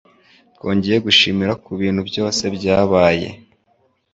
Twongeye gushimira kubintu byose by'abaye.